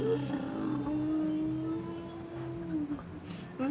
うん。